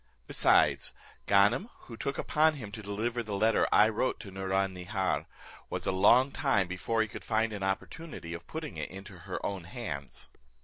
Besides, Ganem, who took upon him to deliver the letter I wrote to Nouron Nihar, was a long time before he could find an opportunity of putting it into her own hands."